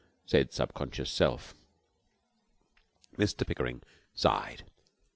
said Subconscious Self. Mr Pickering sighed.